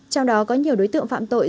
trong đó có nhiều đối tượng phạm tội